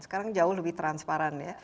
sekarang jauh lebih transparan ya